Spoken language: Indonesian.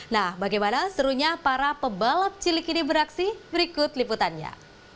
nah bagaimana serunya para pebalap cilik ini beraksi berikut liputannya